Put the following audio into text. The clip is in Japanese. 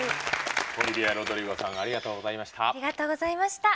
オリヴィア・ロドリゴさんありがとうございました。